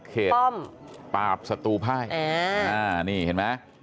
เขตป้อมปาบสตูไพรนี่เห็นไหม